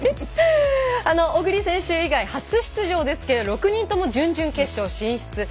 小栗選手以外初出場ですけれども６人とも準々決勝進出。